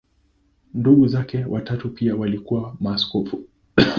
Ndugu zake watatu pia walikuwa maaskofu.